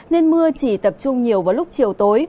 nên mưa chỉ tập trung nhiều vào lúc chiều tối